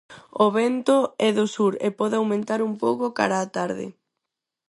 O vento é do sur e pode aumentar un pouco cara á tarde.